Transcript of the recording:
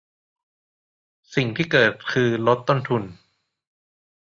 สิ่งที่เกิดคือลดต้นทุน